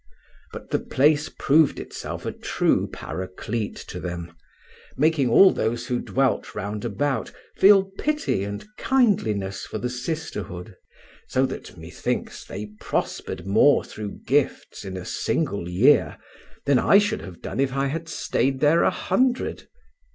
But the place proved itself a true Paraclete to them, making all those who dwelt round about feel pity and kindliness for the sisterhood. So that, methinks, they prospered more through gifts in a single year than I should have done if I had stayed there a hundred.